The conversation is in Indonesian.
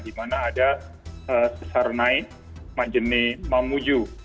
di mana ada sesarnai majene mamuju